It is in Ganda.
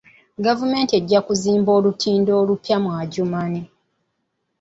Gavumenti ejja kuzimba olutindo olupya mu Adjumani.